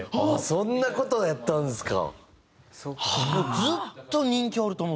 そんな事やったんですか。